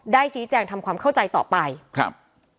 ชี้แจงทำความเข้าใจต่อไปครับ